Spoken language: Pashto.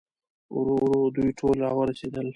ورو ورو دوی ټول راورسېدل.